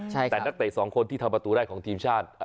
แต่นักเตะสองคนที่ทำประตูได้ของทีมชาติ